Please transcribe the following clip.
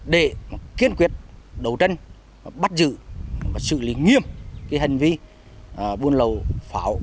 để kiên quyết đấu tranh bắt giữ và xử lý nghiêm hành vi buôn lậu pháo